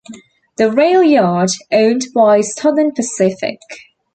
The railyard, owned by Southern Pacific.